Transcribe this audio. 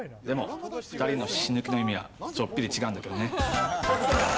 「でも２人の死ぬ気の意味はちょっぴり違うんだけどね」